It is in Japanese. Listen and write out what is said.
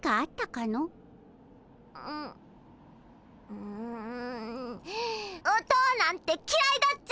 うおとおなんてきらいだっちゃ！